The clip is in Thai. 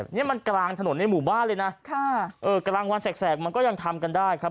นี่มันกลางถนนในหมู่บ้านเลยนะค่ะเออกลางวันแสกมันก็ยังทำกันได้ครับ